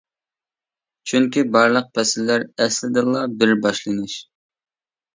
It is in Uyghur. چۈنكى بارلىق پەسىللەر ئەسلىدىنلا بىر باشلىنىش.